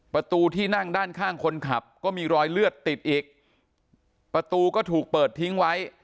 ประตูที่นั่งด้านข้างคนขับก็มีรอยเลือดติดอีกประตูก็ถูกเปิดทิ้งไว้